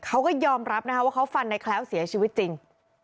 เขาก็ยอมรับนะคะว่าเขาฟันในแคล้วเสียชีวิตจริง